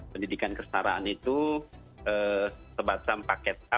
pendidikan kesetaraan itu sebasam paket a